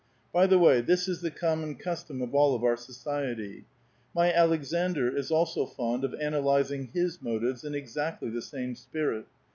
By the way, this is the com mon custom of all our society. My Aleksandr is also fond of analyzing his motives in exactly the same spirit.